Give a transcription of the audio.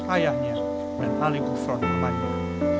ayahnya dan haling utron kemarin